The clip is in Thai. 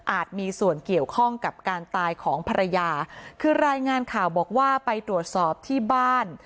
มีส่วนเกี่ยวข้องกับการตายของภรรยาคือรายงานข่าวบอกว่าไปตรวจสอบที่บ้าน